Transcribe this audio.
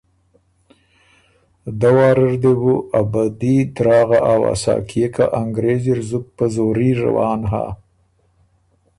دۀ واره ر دې بُو ا بدي دراغه اؤسا کيې که ا نګرېز اِر زُت په زوري روان هۀ۔